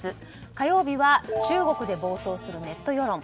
火曜日は中国で暴走するネット世論。